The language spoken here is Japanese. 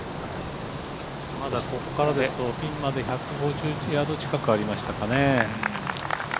まだここからですとピンまで１５１ヤード近くありましたかね。